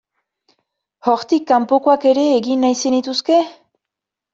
Hortik kanpokoak ere egin nahi zenituzke?